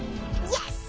よし！